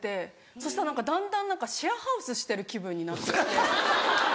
そしたらだんだん何かシェアハウスしてる気分になって来て。